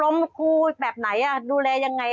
ทำยังไงอบรมครูแบบไหนดูแลยังไง